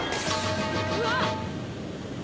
・うわっ！